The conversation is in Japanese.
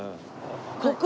ここ。